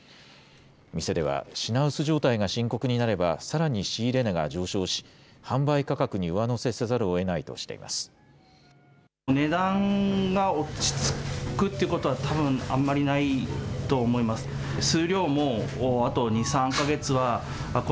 店では、品薄状態が深刻になれば、さらに仕入れ値が上昇し、販売価格に上乗せせざるをえないとしています。